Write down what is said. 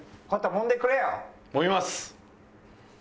揉みます！